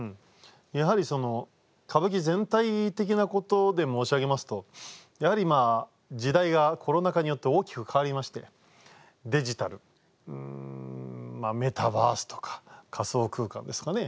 やはり歌舞伎全体的なことで申し上げますと時代がコロナ禍によって大きく変わりましてデジタルまあメタバースとか仮想空間ですかね。